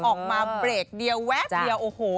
ออกมาเบรกเดียวแวบเดียวโอ้โห